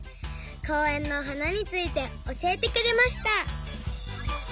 こうえんのはなについておしえてくれました。